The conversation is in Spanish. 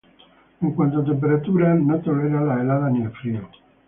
En cuanto a temperatura, no tolera las heladas ni el frío.